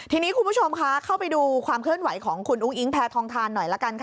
ทีนี้คุณผู้ชมคะเข้าไปดูความเคลื่อนไหวของคุณอุ้งอิงแพทองทานหน่อยละกันค่ะ